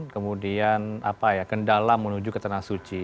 kemudian kendala menuju ke tanah suci